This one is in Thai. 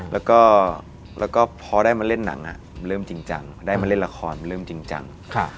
แล้วก็พอได้มาเล่นหนังเริ่มจริงจังได้มาเล่นละครเริ่มจริงจัง